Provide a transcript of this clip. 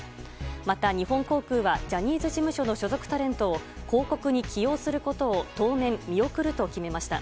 また、日本航空はジャニーズ事務所の所属タレントを広告に起用することを当面見送ると決めました。